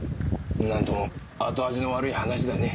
なんとも後味の悪い話だね。